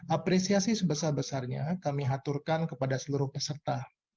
apresiasi sebesar besarnya kami aturkan kepada seluruh peserta